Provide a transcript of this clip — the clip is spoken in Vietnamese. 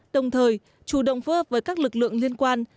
đồng thời chủ động phối hợp với các lực lượng liên quan